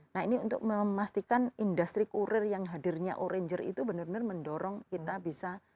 nah ini untuk memastikan industri kurir yang hadirnya oranger itu benar benar mendorong kita bisa